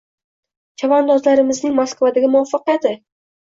Chavandozlarimizning Moskvadagi muvaffaqiyating